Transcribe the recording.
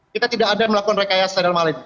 kita tidak ada yang melakukan rekayasa dalam hal ini